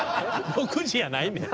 「６じ」やないねん！